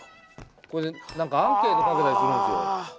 これでアンケート書けたりするんですよ。